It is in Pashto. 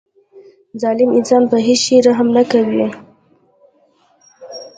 ظالم انسان په هیڅ شي رحم نه کوي.